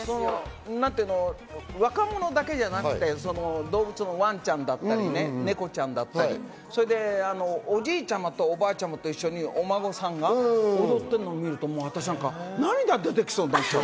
若者だけじゃなくて動物のワンちゃんだったり、猫ちゃんだったり、おじいちゃまとおばあちゃまと一緒にお孫さんが踊ってるのを見ると私なんか涙が出てきそうになっちゃう。